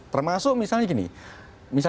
termasuk misalnya gini